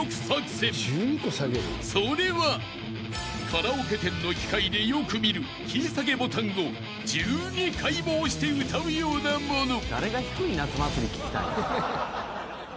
［カラオケ店の機械でよく見るキー下げボタンを１２回も押して歌うようなもの］